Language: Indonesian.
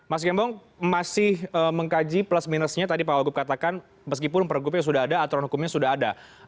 mas gembong masih mengkaji plus minusnya tadi pak wagub katakan meskipun pergubnya sudah ada aturan hukumnya sudah ada